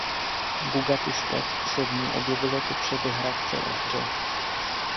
Bugatti step se v ní objevil jako předehra k celé hře.